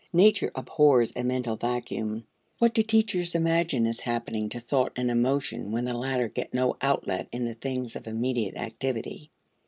Nature abhors a mental vacuum. What do teachers imagine is happening to thought and emotion when the latter get no outlet in the things of immediate activity?